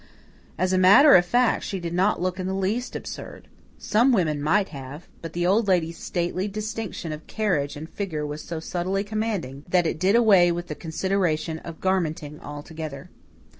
As a matter of fact, she did not look in the least absurd. Some women might have; but the Old Lady's stately distinction of carriage and figure was so subtly commanding that it did away with the consideration of garmenting altogether.